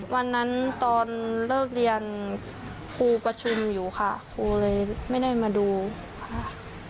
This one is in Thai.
วันนั้นตอนเลิกเรียนครูประชุมอยู่ค่ะครูเลยไม่ได้มาดูค่ะ